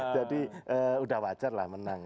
jadi sudah wajar lah menang